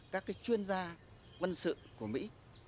các chuyên gia quân sự của mỹ